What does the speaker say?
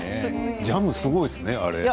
ジャムすごいですね。